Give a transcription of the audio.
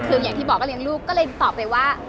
คืออย่างที่บอกก็เลี้ยงลูกก็เลยตอบไปว่า